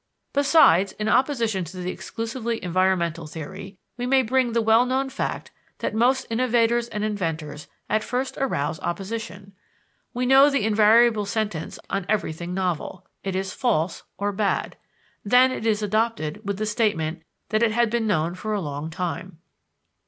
Besides, in opposition to the exclusively environmental theory we may bring the well known fact that most innovators and inventors at first arouse opposition. We know the invariable sentence on everything novel it is "false" or "bad;" then it is adopted with the statement that it had been known for a long time.